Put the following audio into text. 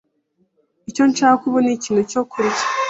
Icyo nshaka ubu ni ikintu cyo kurya.